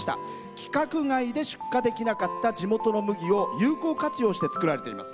規格外で出荷できなかった地元の麦を有効活用して造られています。